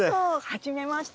はじめまして。